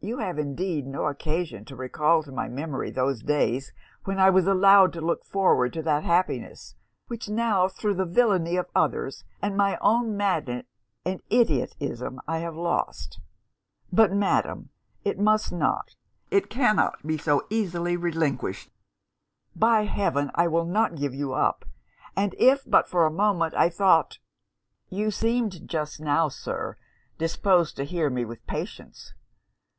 You have indeed no occasion to recall to my memory those days when I was allowed to look forward to that happiness, which now, thro' the villainy of others, and my own madness and ideotism, I have lost. But, Madam, it must not, it cannot be so easily relinquished! By heaven I will not give you up! and if but for a moment I thought .' 'You seemed just now, Sir, disposed to hear me with patience.